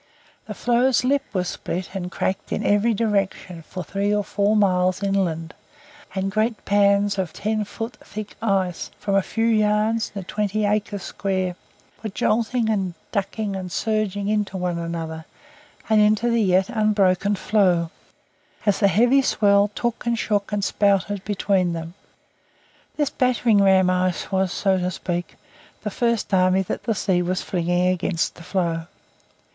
The floe's lip was split and cracked in every direction for three or four miles inland, and great pans of ten foot thick ice, from a few yards to twenty acres square, were jolting and ducking and surging into one another, and into the yet unbroken floe, as the heavy swell took and shook and spouted between them. This battering ram ice was, so to speak, the first army that the sea was flinging against the floe.